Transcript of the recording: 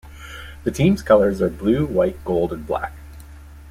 The team's colors are blue, white, gold and black.